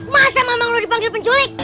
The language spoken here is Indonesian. masa memang lu dipanggil penculik